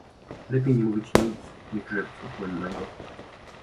"Lepiej nie mówić nic niż rzec coś błędnego"